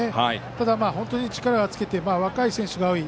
ただ、本当に力をつけて若い選手が多い。